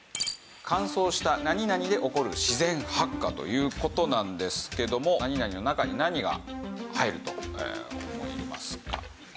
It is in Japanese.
乾燥した何々で起こる自然発火という事なんですけども何々の中に何が入ると思いますか？